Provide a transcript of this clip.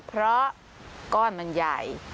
เพราะก้อนมันใหญ่